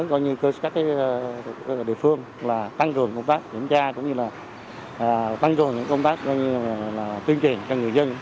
tăng cường công tác kiểm tra tăng cường công tác tuyên truyền cho người dân